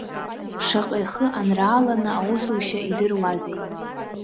Шаҟа ихы анрааланы аусушьа идыруазеи.